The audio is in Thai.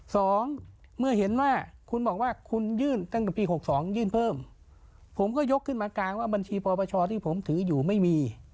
สองเมื่อเห็นว่าคุณบอกว่าคุณยื่นตั้งแต่ปีหกสองยื่นเพิ่มผมก็ยกขึ้นมากลางว่าบัญชีปปชที่ผมถืออยู่ไม่มี